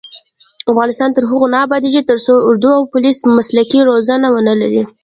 افغانستان تر هغو نه ابادیږي، ترڅو اردو او پولیس مسلکي روزنه ونه لري.